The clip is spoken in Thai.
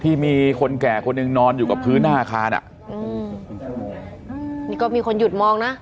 ที่มีคนแก่คนหนึ่งนอนอยู่กับพื้นหน้าอาคารอ่ะอืมนี่ก็มีคนหยุดมองนะ